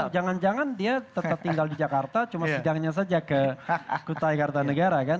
jangan jangan dia tetap tinggal di jakarta cuma sidangnya saja ke kutai kartanegara kan